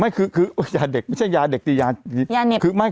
ไม่คือยาเด็กไม่ใช่ยาเด็กตียาเห็บ